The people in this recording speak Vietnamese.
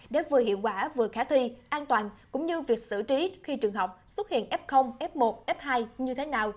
để vừa hiệu quả vừa khả thi an toàn cũng như việc xử trí khi trường học xuất hiện f f một f hai như thế nào